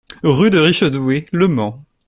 Rue de Richedoué, Le Mans